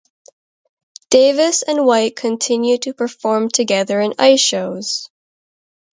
Davis and White continue to perform together in ice shows.